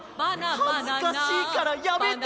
はずかしいからやめて！